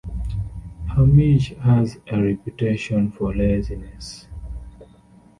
Hamish has a reputation for laziness.